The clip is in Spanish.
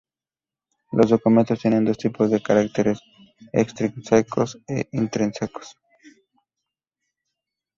Los documentos tienen dos tipos de caracteres: extrínsecos e intrínsecos.